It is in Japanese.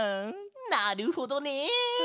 なるほどね。